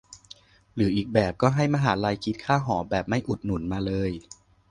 หรืออีกแบบ ก็ให้มหาลัยคิดค่าหอแบบไม่อุดหนุนมาเลย